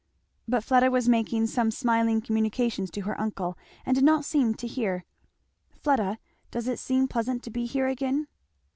But Fleda was making some smiling communications to her uncle and did not seem to hear. "Fleda does it seem pleasant to be here again?"